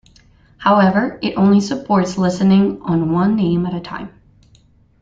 However, it only supports listening on one name at a time.